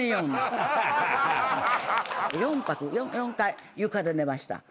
４泊４回床で寝ました。